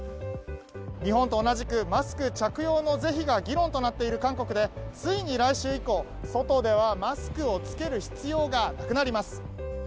日本と同じくマスク着用の是非が議論となっている韓国でついに来週以降外ではマスクを着ける必要がなくなります。